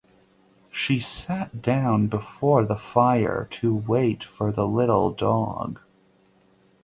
She sat down before the fire to wait for the little dog.